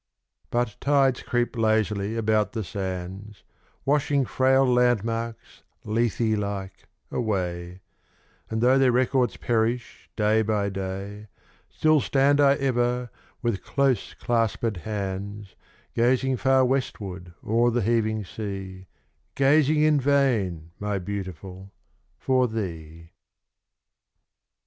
But tides creep lazily about the sands, Washing frail landmarks, Lethe like, away, And though their records perish day by day, Still stand I ever, with close claspèd hands, Gazing far westward o'er the heaving sea, Gazing in vain, my Beautiful, for thee.